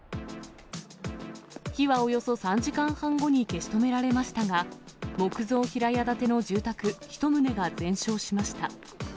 火はおよそ３時間半後に消し止められましたが、木造平屋建ての住宅１棟が全焼しました。